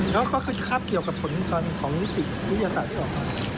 เขาไปคลาบเกี่ยวกับผลต้องรุนของวิติวิทยาศาสตร์